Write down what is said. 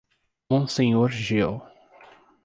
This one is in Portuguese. Monsenhor Gil